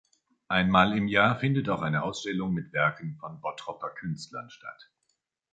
Einmal im Jahr findet auch eine Ausstellung mit Werken von Bottroper Künstlern statt.